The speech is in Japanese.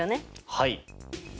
はい。